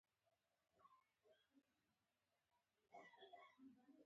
ونې د ځمکې سږی دي او باید وساتل شي.